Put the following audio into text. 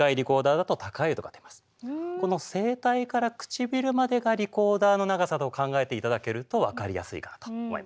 この声帯から唇までがリコーダーの長さと考えていただけると分かりやすいかなと思います。